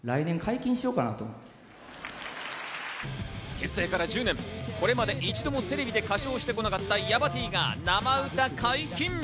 結成から１０年、これまで一度もテレビで歌唱してこなかったヤバＴが、生歌解禁。